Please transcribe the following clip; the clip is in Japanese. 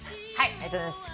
ありがとうございます。